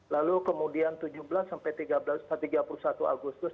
lalu kemudian tujuh belas sampai tiga puluh satu agustus